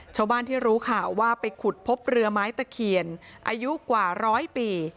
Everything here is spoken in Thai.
ชาวบ้านที่รู้ข่าวว่าไปขุดพบเรือไม้ตะเคียนอายุกว่าร้อยปี